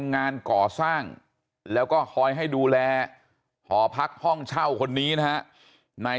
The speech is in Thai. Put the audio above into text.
งานก่อสร้างแล้วก็คอยให้ดูแลหอพักห้องเช่าคนนี้นะฮะนาย